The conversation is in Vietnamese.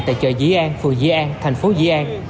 tại chợ dĩ an phường dĩ an thành phố dĩ an